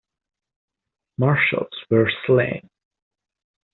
Marshals were slain.